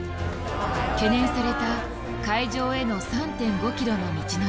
懸念された会場への３．５ｋｍの道のり。